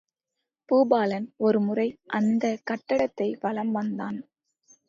பூபாலன் ஒருமுறை அந்தக் கட்டடத்தை வலம் வந்தான்.